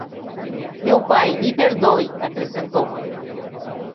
"Meu pai, me perdoe", acrescentou.